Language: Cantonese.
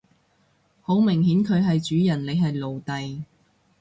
好明顯佢係主人你係奴隸